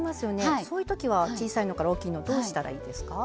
そういうときは小さいのから大きいのどうしたらいいですか？